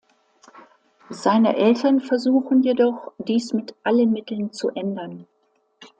Seine Eltern versuchen jedoch, dies mit allen Mitteln zu ändern.